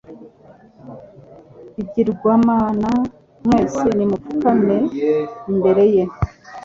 bigirwamana mwese nimupfukame imbere ye